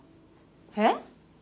えっ？